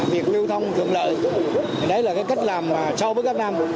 việc lưu thông thuận lợi đấy là cái cách làm so với các năm